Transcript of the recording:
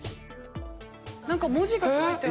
なんか文字が書いてある。